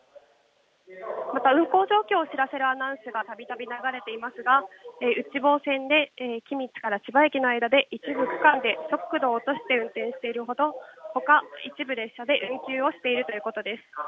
また、運行状況を知らせるアナウンスがたびたび流れていますが、内房線で君津駅から千葉駅の一部区間で速度を落として運転しているほか、一部列車で運休をしているということです。